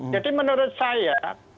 jadi menurut saya